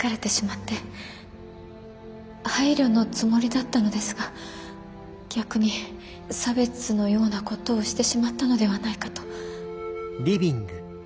配慮のつもりだったのですが逆に差別のようなことをしてしまったのではないかと。